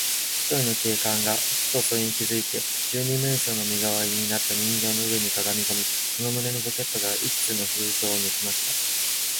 ひとりの警官が、ふとそれに気づいて、二十面相の身がわりになった人形の上にかがみこみ、その胸のポケットから一通の封書をぬきとりました。